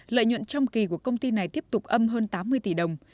lợi nhuận trong kỳ của công ty này tiếp tục âm hơn tám mươi tỷ đồng